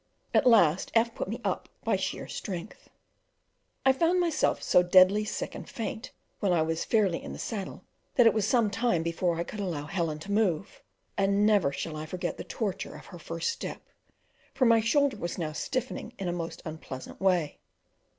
At last F put me up by sheer strength. I found myself so deadly sick and faint when I was fairly in the saddle that it was some time before I could allow Helen to move; and never shall I forget the torture of her first step, for my shoulder was now stiffening in a most unpleasant way.